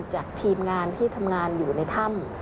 จากทีมงานที่ทำงานอยู่ในถ้ำ